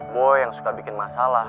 mo yang suka bikin masalah